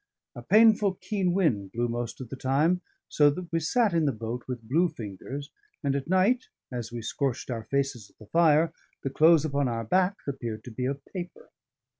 A painful keen wind blew most of the time, so that we sat in the boat with blue fingers, and at night, as we scorched our faces at the fire, the clothes upon our back appeared to be of paper.